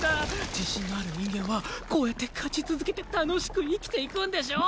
自信のある人間はこうやって勝ち続けて楽しく生きていくんでしょ！？